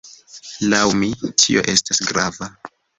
Laŭ mi, tio estas grava.